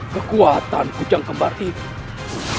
kekuatan ujang kembal itu